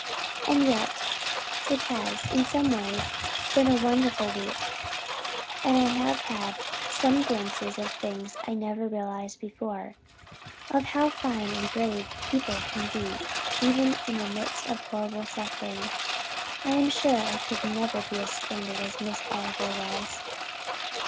And yet it has in some ways been a very wonderful week and I have had some glimpses of things I never realized before of how fine and brave people can be even in the midst of horrible suffering. I am sure I could never be as splendid as Miss Oliver was.